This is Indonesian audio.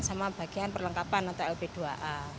sama bagian perlengkapan atau lp dua a